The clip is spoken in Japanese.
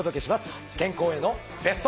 健康へのベスト。